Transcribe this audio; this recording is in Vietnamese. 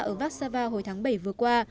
ở vác sa va hồi tháng bảy vừa qua